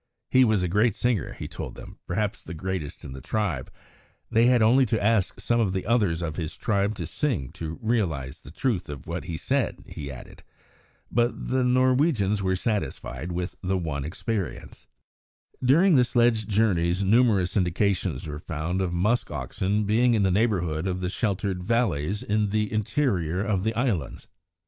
He was a great singer, he told them, perhaps the greatest in the tribe. They had only to ask some of the others of his tribe to sing to realise the truth of what he said, he added. But the Norwegians were satisfied with the one experience. [Illustration: ESKIMO VISITORS TO THE FRAM IN NIGHT ATTIRE.] During the sledge journeys numerous indications were found of musk oxen being in the neighbourhood of the sheltered valleys in the interior of the islands.